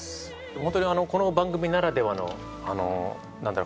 ホントにこの番組ならではのなんだろ。